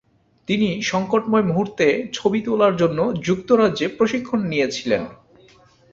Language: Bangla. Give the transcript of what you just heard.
তিনি সংকটময় মুহুর্তে ছবি তোলার জন্য যুক্তরাজ্যে প্রশিক্ষণ নিয়েছিলেন।